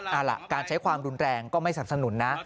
เอาล่ะการใช้ความรุนแรงก็ไม่สนับสนุนนะ